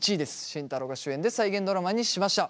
慎太郎が主演で再現ドラマにしました。